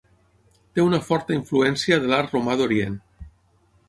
Té una força influència de l'art romà d'Orient.